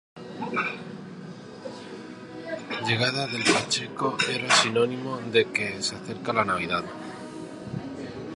La llegada del Pacheco era sinónimo de que se acercaba la Navidad.